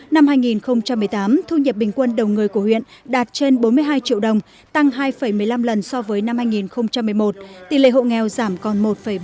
năm hai nghìn một mươi tám thu nhập bình quân đầu người của huyện đạt trên bốn mươi hai triệu đồng tăng hai một mươi năm lần so với năm hai nghìn một mươi một tỷ lệ hộ nghèo giảm còn một bốn mươi